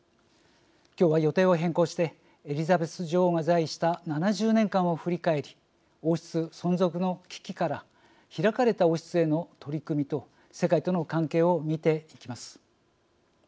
今日は予定を変更してエリザベス女王が在位した７０年間を振り返り王室存続の危機から開かれた王室への取り組みと世界との関係を見ていきます。